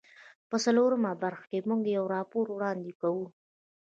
په څلورمه برخه کې موږ یو راپور وړاندې کوو.